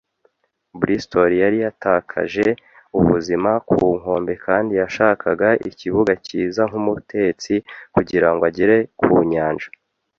Bristol, yari yatakaje ubuzima ku nkombe, kandi yashakaga ikibuga cyiza nk'umutetsi kugira ngo agere ku nyanja